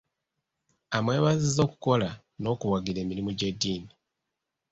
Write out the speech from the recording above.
Amwebazizza okukola n'okuwagira emirimu gy'eddiini.